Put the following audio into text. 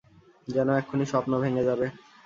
যেন এক্ষুণি স্বপ্ন ভেঙে যাবে।